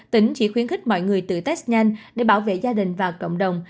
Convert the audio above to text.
tỉnh chỉ khuyến khích mọi người tự test nhanh để bảo vệ gia đình và cộng đồng